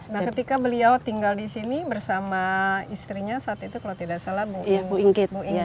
nah ketika beliau tinggal disini bersama istrinya saat itu kalau tidak salah bu inggit